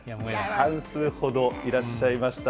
半数ほどいらっしゃいました。